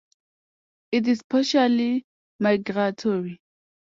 It is partially migratory.